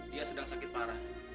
dia sedang sakit parah